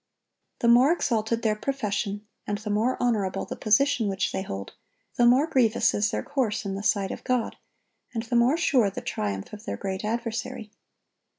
The more exalted their profession, and the more honorable the position which they hold, the more grievous is their course in the sight of God, and the more sure the triumph of their great adversary.